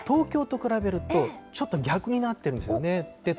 これは東京と比べると、ちょっと逆になってるんですよね。